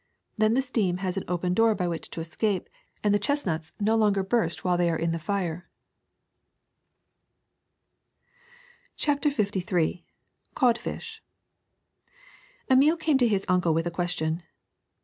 Then the steam has an open door by which to escape, and the chestnuts no longer burst while they are on the fire/' CHAPTER LIII CODFISH EMILE came to his uncle with a question.